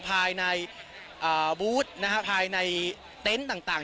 ภายในบูธภายในเต็นต์ต่าง